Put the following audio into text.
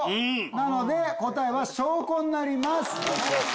なので答えは「しょうこ」になります。